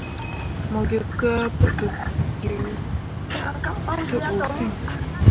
Mo gi kaa dǝkǝ te ɓu fiŋ.